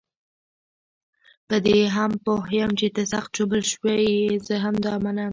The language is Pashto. په دې هم پوه یم چې ته سخت ژوبل شوی یې، زه دا منم.